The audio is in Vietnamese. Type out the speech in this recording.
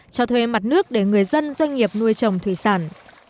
cho thuê mặt nước để người dân doanh nghiệp nuôi trồng thủy sản